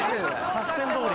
作戦どおり。